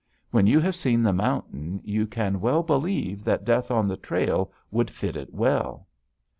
When you have seen the mountain you can well believe that Death on the Trail would fit it well.